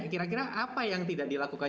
kira kira apa yang tidak dilakukan